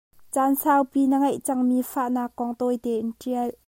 Caan saupi na ngeih cang mi fahnak kong tawi tein ttial.